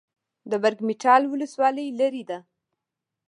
د برګ مټال ولسوالۍ لیرې ده